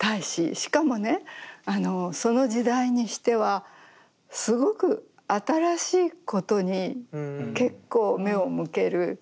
しかもねその時代にしてはすごく新しいことに結構目を向ける。